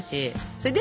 それで？